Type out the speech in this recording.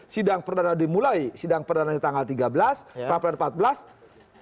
sidang perdana dimulai sidang perdana tanggal tiga belas pra peradilan empat belas